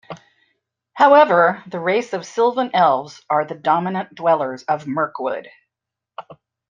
However, the race of Silvan Elves are the dominant dwellers of Mirkwood.